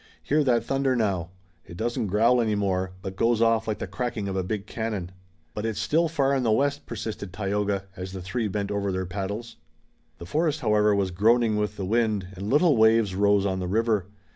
Hear that thunder now! It doesn't growl any more, but goes off like the cracking of big cannon." "But it's still far in the west," persisted Tayoga, as the three bent over their paddles. The forest, however, was groaning with the wind, and little waves rose on the river.